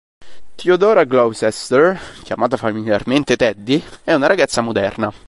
Theodora Gloucester, chiamata familiarmente Teddy, è una ragazza moderna.